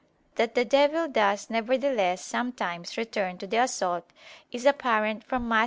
That the devil does nevertheless sometimes return to the assault, is apparent from Matt.